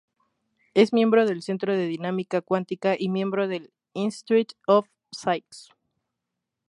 Es miembro del Centro de Dinámica Cuántica y miembro del "Institute of Physics".